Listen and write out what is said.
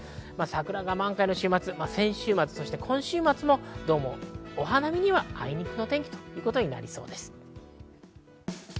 桜が満開の週末、先週末・今週末もどうもお花見にはあいにくの天気となりそうです。